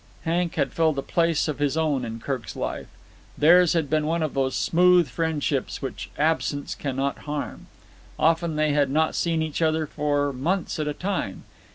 Hank had filled a place of his own in Kirk's life. Theirs had been one of those smooth friendships which absence cannot harm. Often they had not seen each other for months at a time.